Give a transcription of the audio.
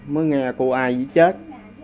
mới nghe cô ai dữ chết